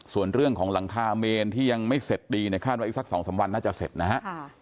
ส่วนเรื่องของหลังคาเมนที่ยังไม่เสร็จดีเนี่ยคาดว่าอีกสัก๒๓วันน่าจะเสร็จนะฮะ